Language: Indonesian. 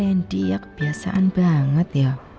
ini ya kebiasaan banget ya